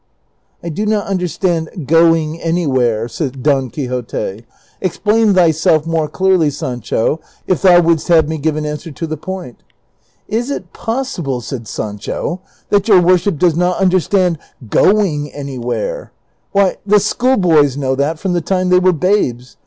" I do not understand ' going anywhere,' " said Don Quixote ;" explain thyself more clearly, Sancho, if thou wouldst have me give an answer to the point." '' Is it possible," said Sancho, " that your worship does not understand ' going anywhere '? Why, the schoolboys know that from the time they were babes.